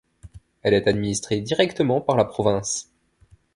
Elle est administrée directement par la province.